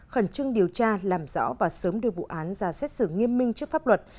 khẩn trương điều tra làm rõ và sớm đưa vụ án ra xét xử nghiêm minh trước pháp luật